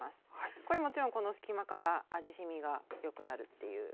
これもちろんこの隙間から味しみがよくなるっていう効果もあります。